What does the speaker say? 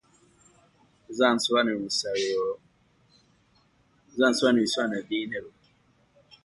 Uzansobanurira ibisobanuro byiyi nteruro?